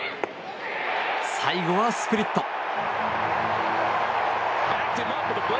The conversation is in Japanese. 最後はスプリット。